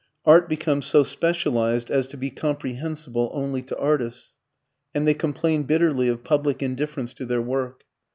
Art becomes so specialized as to be comprehensible only to artists, and they complain bitterly of public indifference to their work.